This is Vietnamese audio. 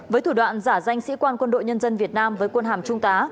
với thủ đoạn giả danh sĩ quan quân đội nhân dân việt nam với quân hàm trung tá